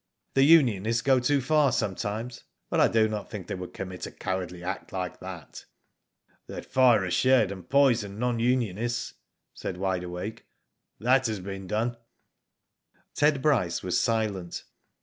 The unionists go too far sometimes, but I do not think they would commit a cowardly act like that." "They'd fire a shed and poison non unionists," said Wide Awake. "That has been done." Ted Bryce was silent.